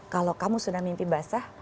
kalau kamu sudah mimpi basah